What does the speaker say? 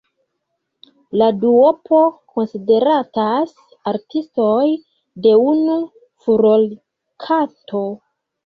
La duopo konsideratas artistoj de unu furorkanto.